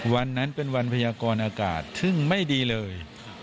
วันนั้นเป็นวันพยากรอากาศซึ่งไม่ดีเลย